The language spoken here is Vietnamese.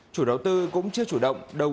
chủ đầu tư cũng chưa chủ động